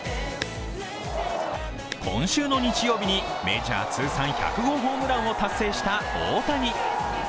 今週の日曜日にメジャー通算１００号ホームランを達成した大谷。